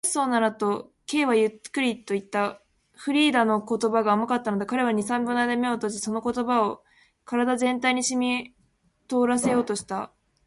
「もしそうなら」と、Ｋ はゆっくりといった。フリーダの言葉が甘かったのだ。彼は二、三秒のあいだ眼を閉じ、その言葉を身体全体にしみとおらせようとした。